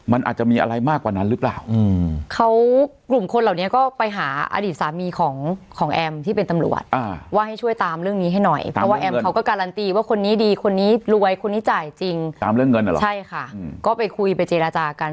มันอาจจะมีอะไรมากกว่านั้นหรือเปล่าเขากลุ่มคนเหล่านี้ก็ไปหาอดีตสามีของของแอมที่เป็นตำรวจว่าให้ช่วยตามเรื่องนี้ให้หน่อยเพราะว่าแอมเขาก็การันตีว่าคนนี้ดีคนนี้รวยคนนี้จ่ายจริงตามเรื่องเงินเหรอใช่ค่ะก็ไปคุยไปเจรจากัน